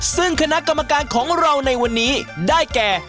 ซึ่งคณะกรรมการของเราในวันนี้ได้แก่